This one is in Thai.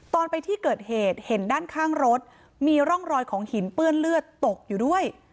ตอนไปที่เกิดเหตุเห็นด้านข้างรถมีร่องรอยของหินเปื้อนเลือดตกอยู่ด้วย